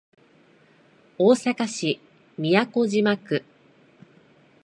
大阪市都島区